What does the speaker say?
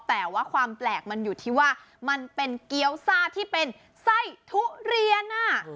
แต่ว่าความแปลกมันอยู่ที่ว่ามันเป็นเกี้ยวซ่าที่เป็นไส้ทุเรียน